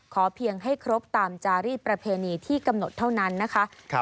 เพียงให้ครบตามจารีสประเพณีที่กำหนดเท่านั้นนะคะ